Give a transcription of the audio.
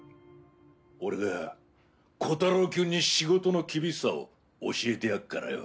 俺がコタローきゅんに仕事の厳しさを教えてやっからよ。